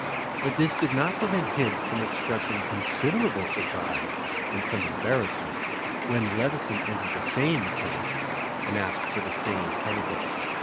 But this did not prevent Hibbs from expressing considerable surprise and some em barrassment when Leveson entered the same chemist's and asked for the same chemical.